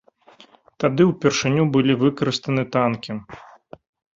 Тады ўпершыню былі выкарыстаны танкі.